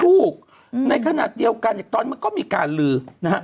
ถูกในขณะเดียวกันตอนนี้มันก็มีการลือ